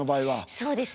そうですね。